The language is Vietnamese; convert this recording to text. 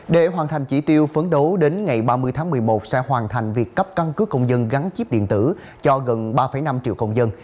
để hoàn thành chỉ tiêu phấn đấu đến ngày ba mươi tháng một mươi một sẽ hoàn thành việc cấp căn cứ công dân gắn chip điện tử cho gần ba năm triệu công dân